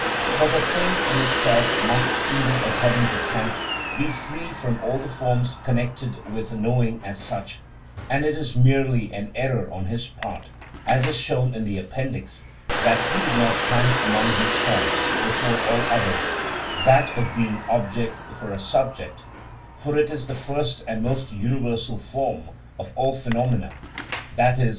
For the thing in itself must, even according to Kant, be free from all the forms connected with knowing as such; and it is merely an error on his part (as is shown in the Appendix) that he did not count among these forms, before all others, that of being object for a subject, for it is the first and most universal form of all phenomena, _i.e.